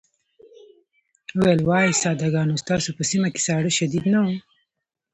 وویل وای ساده ګانو ستاسو په سيمه کې ساړه شديد نه وو.